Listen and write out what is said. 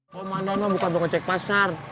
komandan mah bukan mau ngecek pasar